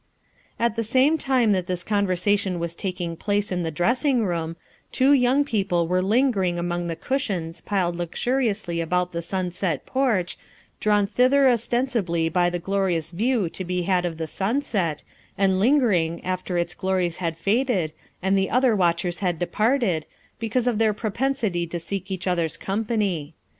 At the same time that this conversation was taking place in the dressing room, two young people were lingering among the cushions piled luxuriously about the " sunset porch," drawn thither ostensibly by the glorious view to be had of the sunset, and lingering after its glories had faded and the other watchers had departed, be cause of their propensity to seek each other's company.